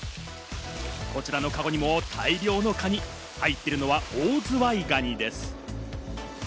こちらのカゴにも大量のカニ。入っているのはオオズワイガニです。